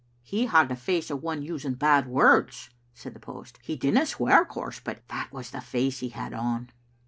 " He had the face of one using bad words," said the post, "He didna swear, of course, but that was the face he had on."